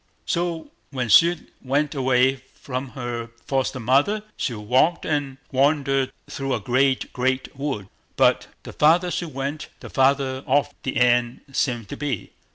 So, when she went away from her foster mother, she walked and wandered through a great, great wood; but the farther she went, the farther off the end seemed to be.